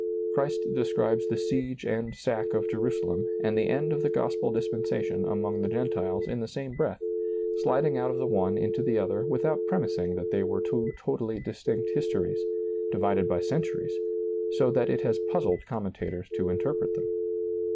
Christ describes the siege and sack of Jerusalem and the end of the gospel dispensation among the Gen tiles in the same breath, sliding out of the one into the other without premising that they were two totally distinct histories, divided by centuries, so that it has puzzled commentators to interpret him.